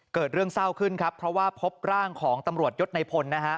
เกิดเรื่องเศร้าขึ้นครับเพราะว่าพบร่างของตำรวจยศในพลนะฮะ